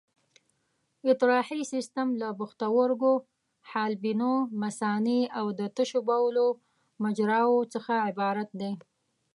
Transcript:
اطراحي سیستم له پښتورګو، حالبینو، مثانې او د تشو بولو مجراوو څخه عبارت دی.